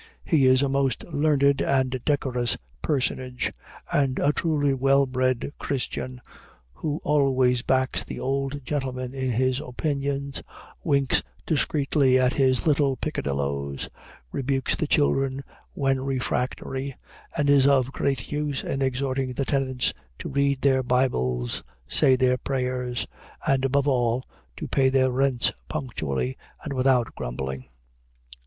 He is a most learned and decorous personage, and a truly well bred Christian, who always backs the old gentleman in his opinions, winks discreetly at his little peccadilloes, rebukes the children when refractory, and is of great use in exhorting the tenants to read their Bibles, say their prayers, and, above all, to pay their rents punctually, and without grumbling.